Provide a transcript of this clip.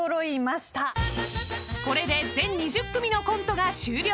［これで全２０組のコントが終了］